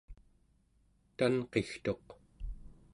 tanqigtuq